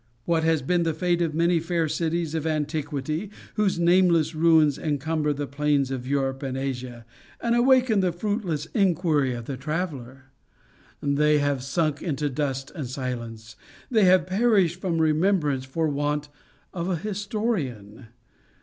What has been the fate of many fair cities of antiquity, whose nameless ruins encumber the plains of Europe and Asia, and awaken the fruitless inquiry of the traveler? They have sunk into dust and silence they have perished from remembrance for want of a historian!